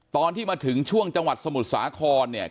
ตอนที่มาถึงช่วงจังหวัดสมุทรสาครเนี่ย